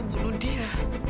aku udah bunuh dia